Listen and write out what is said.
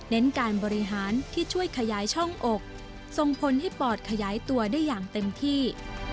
การบริหารที่ช่วยขยายช่องอกส่งผลให้ปอดขยายตัวได้อย่างเต็มที่